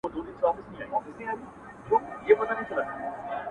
اوس دي لا د حسن مرحله راغلې نه ده ـ